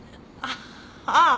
ああ。